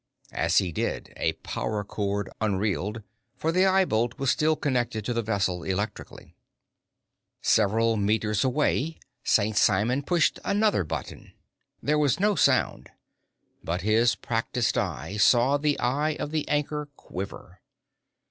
As he did, a power cord unreeled, for the eye bolt was still connected to the vessel electrically. Several meters away, St. Simon pushed another button. There was no sound, but his practiced eye saw the eye of the anchor quiver.